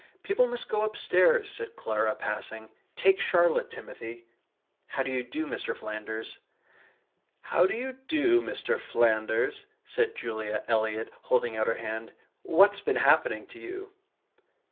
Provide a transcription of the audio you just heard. "People must go downstairs," said Clara, passing. "Take Charlotte, Timothy. How d'you do, Mr. Flanders." "How d'you do, Mr. Flanders," said Julia Eliot, holding out her hand. "What's been happening to you?"